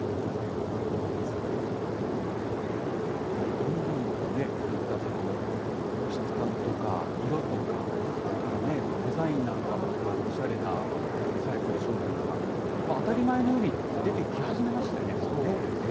どんどんとそういった質感とか色とか、それから、デザインなんかもおしゃれなリサイクル商品が、当たり前のように出てき始めましたよね、もうね。